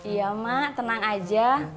iya mak tenang aja